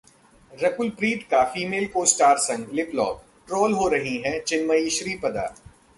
रकुल प्रीत का female co-star संग lip lock, troll हो रही हैं चिन्मई श्रीपदा